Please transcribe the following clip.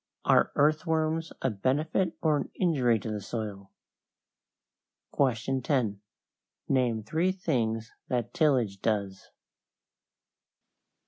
Are earthworms a benefit or an injury to the soil? 10. Name three things that tillage does.